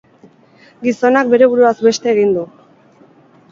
Gizonak bere buruaz beste egin du.